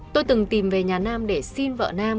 tôi từng tìm về nhà nam để xin vợ nam